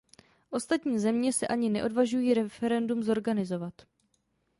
Ostatní země se ani neodvažují referendum zorganizovat.